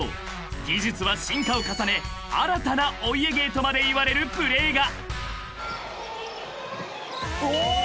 ［技術は進化を重ね新たなお家芸とまでいわれるプレーが］